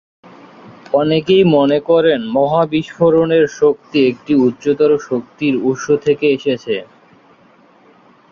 অনেকেই মনে করেন, মহা বিস্ফোরণের শক্তি একটি উচ্চতর শক্তির উৎস থেকে এসেছে।